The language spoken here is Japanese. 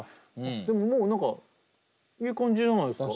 でももう何かいい感じじゃないですか？